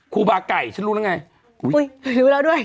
ครูบาร์ไก่ฉันรู้แล้วไง